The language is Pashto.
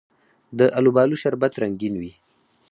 د الوبالو شربت رنګین وي.